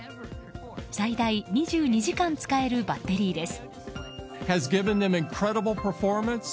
最大２２時間使えるバッテリーです。